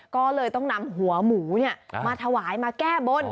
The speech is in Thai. ก็เลยต้องนำหัวหมูมาถวายมาแก้บน